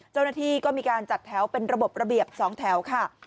เจ้าหน้าที่ก็มีการจัดแถวเป็นระบบระเบียบ๒แถวค่ะ